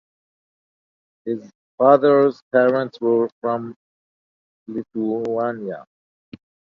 His father's parents were from Lithuania.